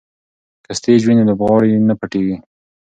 که سټیج وي نو لوبغاړی نه پټیږي.